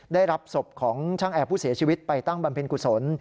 ได้รับศพของช่างแอร์ผู้เสียชีวิตไปตั้งบำเพ็ญกุศล